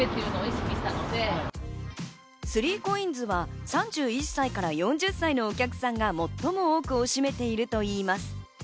３ＣＯＩＮＳは３１歳から４０歳のお客さんが最も多くを占めているといいます。